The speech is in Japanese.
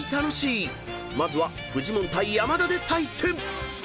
［まずはフジモン対山田で対戦］